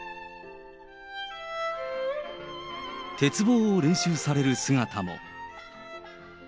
鉄棒を練習される姿も。